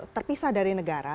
terpisah dari negara